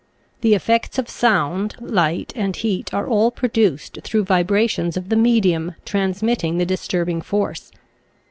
The effects of Sound, Light, and Heat are all produced through vibrations of the medium transmitting the dis turbing force.